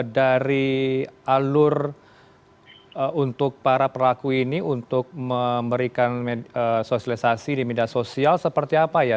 dari alur untuk para pelaku ini untuk memberikan sosialisasi di media sosial seperti apa ya